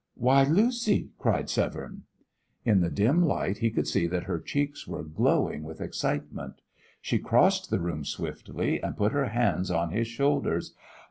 "Why, Lucy!" cried Severne. In the dim light he could see that her cheeks were glowing with excitement. She crossed the room swiftly, and put her hands on his shoulders.